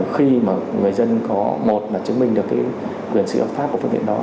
khi người dân có một là chứng minh được quyền sự đọc pháp của phương tiện đó